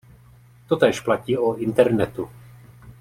Totéž platí o Internetu.